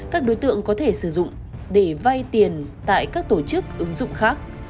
các đối tượng có thể sử dụng để vay tiền tại các tổ chức ứng dụng khác